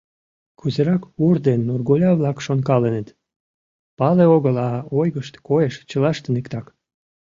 Кузерак ур ден нурголя-влак шонкаленыт, пале огыл, а ойгышт, коеш, чылаштын иктак.